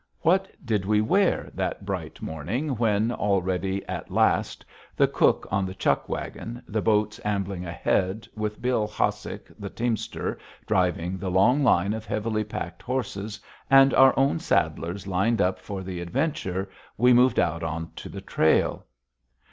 What did we wear, that bright morning when, all ready at last, the cook on the chuck wagon, the boats ambling ahead, with Bill Hossick, the teamster, driving the long line of heavily packed horses and our own saddlers lined up for the adventure, we moved out on to the trail?